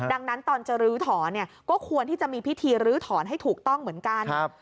ดังนั้นตอนจะลื้อถอนเนี่ยก็ควรที่จะมีพิธีรื้อถอนให้ถูกต้องเหมือนกัน